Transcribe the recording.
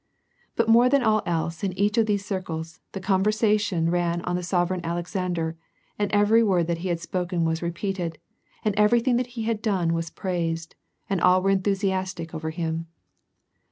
But more than all else in each of these circles, the conversa tion ran on the Sovereign Alexander, and every word that he had spoken was repeated, and everything that he had done was praised, and all were enthusiastic over him.